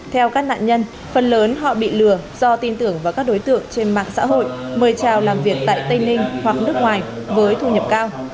theo các nạn nhân phần lớn họ bị lừa do tin tưởng vào các đối tượng trên mạng xã hội mời trào làm việc tại tây ninh hoặc nước ngoài với thu nhập cao